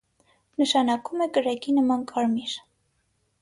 Նշանակում է «կրակի նման կարմիր»։